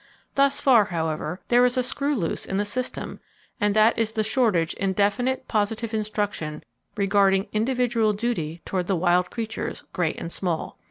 Thus far, however, there is a screw loose in the system, and that is the shortage in definite, positive instruction regarding individual duty toward the wild creatures, great and small.